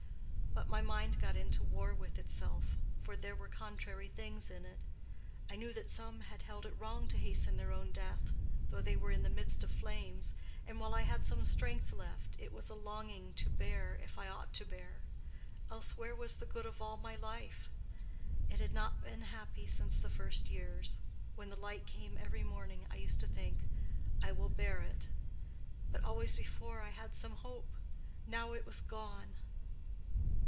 But my mind got into war with itself, for there were contrary things in it. I knew that some had held it wrong to hasten their own death, though they were in the midst of flames; and while I had some strength left it was a longing to bear if I ought to bear—else where was the good of all my life? It had not been happy since the first years: when the light came every morning I used to think, 'I will bear it.' But always before I had some hope; now it was gone.